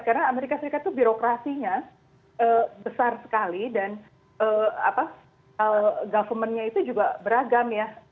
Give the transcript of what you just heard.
karena amerika serikat itu birokrasinya besar sekali dan government nya itu juga beragam ya